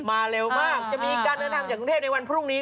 เร็วมากจะมีการเดินทางจากกรุงเทพในวันพรุ่งนี้